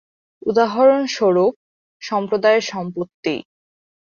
উদাহরণস্বরূপঃ সম্প্রদায়ের সম্পত্তি।